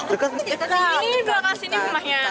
dekat sini dekat sini rumahnya